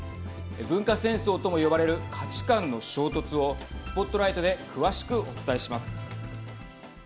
文化戦争とも呼ばれる価値観の衝突をＳＰＯＴＬＩＧＨＴで詳しくお伝えします。